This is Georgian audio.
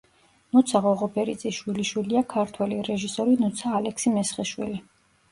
ნუცა ღოღობერიძის შვილიშვილია ქართველი რეჟისორი ნუცა ალექსი-მესხიშვილი.